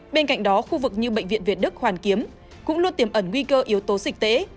bên cạnh đó khu vực như bệnh viện việt đức hoàn kiếm cũng luôn tiềm ẩn nguy cơ yếu tố dịch tễ